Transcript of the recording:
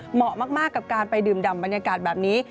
เหมาะมากกับการไปดื่มดำบรรยากาศแบบนี้